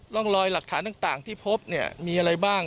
ร่องรอยหลักฐานต่างที่พบเนี่ยมีอะไรบ้าง